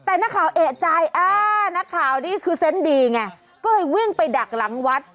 แต่นักข่าวเอกใจอ่านักข่าวนี่คือเซนต์ดีไงก็เลยวิ่งไปดักหลังวัด